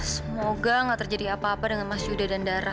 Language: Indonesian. semoga gak terjadi apa apa dengan mas yuda dan dara